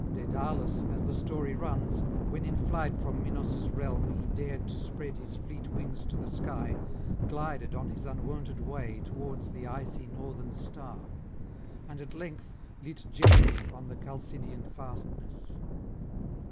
Daedalus, as the story runs, when in flight from Minos' realm he dared to spread his fleet wings to the sky, glided on his unwonted way towards the icy northern star, and at length lit gently on the Chalcidian fastness.